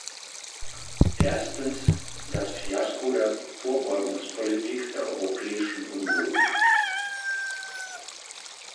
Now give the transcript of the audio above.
Erstens, das Fiasko der Vorbeugungsspolitik der Europäischen Union.